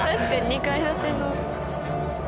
２階建ての。